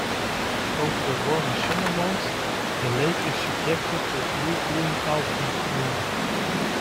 Over the warmer summer months the lake is subject to blue green algae bloom.